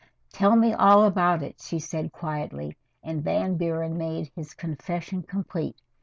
"Tell me all about it," she said quietly, and Van Buren made his confession complete.